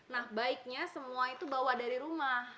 nah baiknya semua itu bawa dari rumah